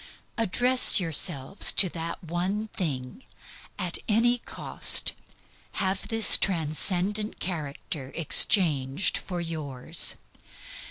Address yourselves to that one thing; at any cost have this transcendent character exchanged for yours.